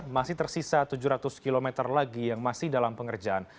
masih tersisa tujuh ratus km lagi yang masih dalam pengerjaan